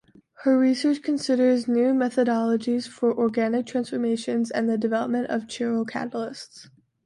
Her research considers new methodologies for organic transformations and the development of chiral catalysts.